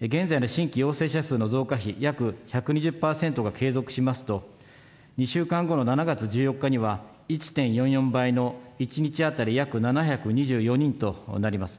現在の新規陽性者数の増加比約１２０％が継続しますと、２週間後の７月１４日には１．４４倍の１日当たり約７２４人となります。